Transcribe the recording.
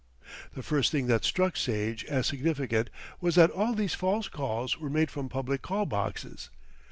The first thing that struck Sage as significant was that all these false calls were made from public call boxes.